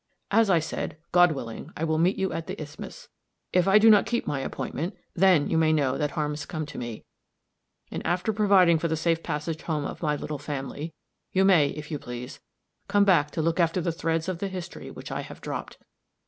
As I said, God willing, I will meet you at the isthmus. If I do not keep my appointment, then you may know that harm has come to me; and, after providing for the safe passage home of my little family, you may, if you please, come back to look after the threads of the history which I have dropped.